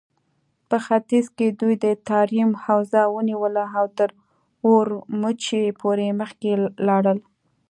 په ختيځ کې دوی د تاريم حوزه ونيوله او تر اورومچي پورې مخکې لاړل.